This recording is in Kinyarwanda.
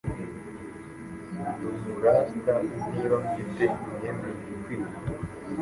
Ndi umu rasta niba mfite imyemerere ikwiriye